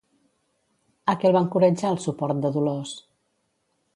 A què el va encoratjar el suport de Dolors?